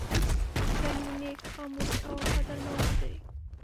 پسه یو نېک، خاموش او وفادار موجود دی.